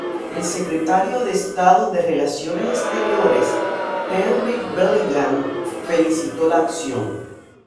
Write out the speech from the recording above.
El secretario de Estado de Relaciones Exteriores, Henry Bellingham, felicitó la acción.